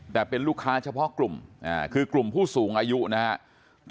แต่เป็นลูกค้าเฉพาะกลุ่มคือกลุ่มผู้สูงอายุนะครับ